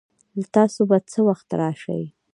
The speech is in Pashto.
تاسو به څه وخت راشئ؟